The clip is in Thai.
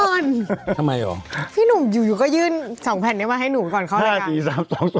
ทำไมอ่ะพี่หนูอยู่อยู่ก็ยื่นสองแผ่นนี้มาให้หนูขอบคุณค่ะ๕๔๓๒๑